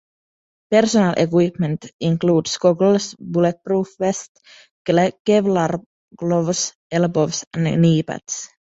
Personal equipment includes goggles bulletproof vest, Kevlar gloves, elbow and knee pads.